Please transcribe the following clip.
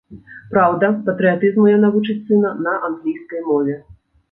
Праўда, патрыятызму яна вучыць сына на англійскай мове.